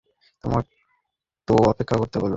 তো অপেক্ষা করতে বলুন।